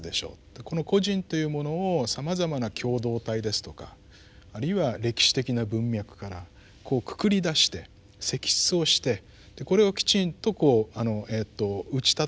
この個人というものをさまざまな共同体ですとかあるいは歴史的な文脈からこうくくりだして析出をしてこれをきちんとこう打ち立てると。